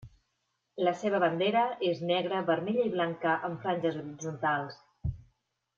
La seva bandera és negra, vermella i blanca en franges horitzontals.